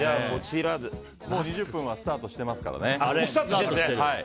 もう２０分はスタートしていますからね。